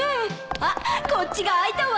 あっこっちが空いたわ